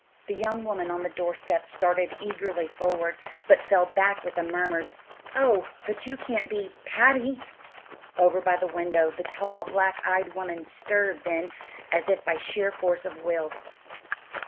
The young woman on the door step started eagerly forward, but fell back with a murmured, "Oh, but you can't be Patty!" Over by the window the tall, black eyed woman stirred then, as if by sheer force of will.